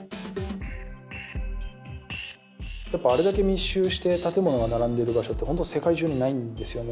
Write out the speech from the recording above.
あれだけ密集して建物が並んでる場所って本当世界中にないんですよね。